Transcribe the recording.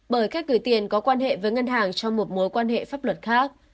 bởi cách gửi tiền có quan hệ với ngân hàng trong một mối quan hệ pháp luật khác